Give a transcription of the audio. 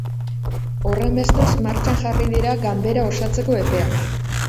Horrenbestez, martxan jarri dira ganbera osatzeko epeak.